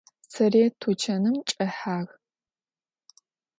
Sarıêt tuçanım çç'ehağ.